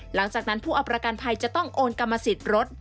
หลังจากนั้นผู้เอาประกันภัยจะต้องโอนกรรมสิทธิ์รถ